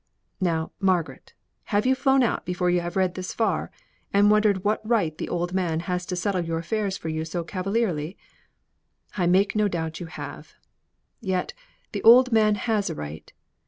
Now, Margaret, have you flown out before you have read this far, and wondered what right the old man has to settle your affairs for you so cavalierly? I make no doubt you have. Yet the old man has a right.